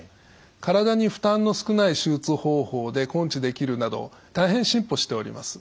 体に負担の少ない手術方法で根治できるなど大変進歩しております。